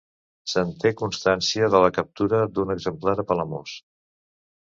Se'n té constància de la captura d'un exemplar a Palamós.